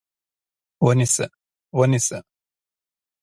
ونیسه! ونیسه!